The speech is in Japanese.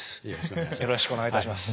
よろしくお願いします。